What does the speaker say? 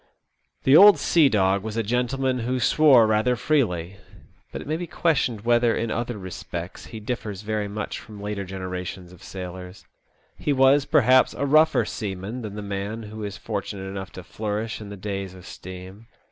The old sea dog was a gentleman who swore rather freely; but it may be questioned whether in other respects he differs very much from later generations of sailors. He was, perhaps, a rougher seaman than the man who is fortunate enough to flourish in the days of steam.